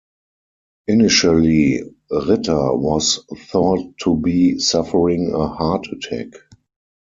Initially, Ritter was thought to be suffering a heart attack.